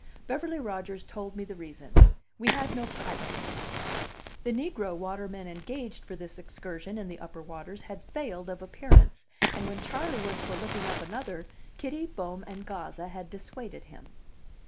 Beverly Rodgers told me the reason: we had no pilot; the negro Waterman engaged for this excursion in the upper waters had failed of appearance, and when Charley was for looking up another, Kitty, Bohm, and Gazza had dissuaded him.